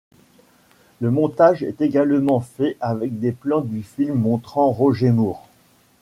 Le montage est également fait avec des plans du film montrant Roger Moore.